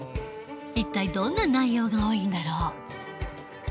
一体どんな内容が多いんだろう。